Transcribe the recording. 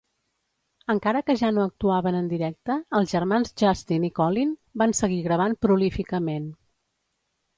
Encara que ja no actuaven en directe, els germans Justin i Colin van seguir gravant prolíficament.